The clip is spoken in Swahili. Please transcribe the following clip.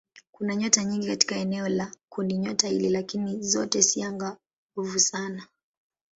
Kuna nyota nyingi katika eneo la kundinyota hili lakini zote si angavu sana.